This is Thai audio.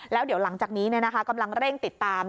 แล้วเดี๋ยวหลังจากนี้กำลังเร่งติดตาม